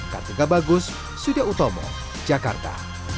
kartu gak bagus sudah utama jakarta